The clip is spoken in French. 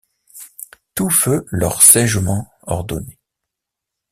Tout feut lors saigement ordonné.